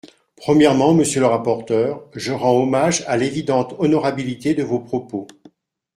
Premièrement, monsieur le rapporteur, je rends hommage à l’évidente honorabilité de vos propos.